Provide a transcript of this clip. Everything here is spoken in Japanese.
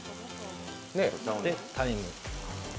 で、タイム。